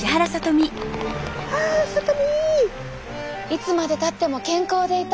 いつまでたっても健康でいたい。